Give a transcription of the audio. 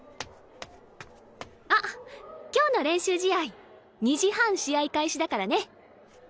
あ今日の練習試合２時半試合開始だからね。